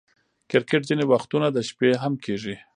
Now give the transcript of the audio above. کرکټ ځیني وختونه د شپې هم کیږي.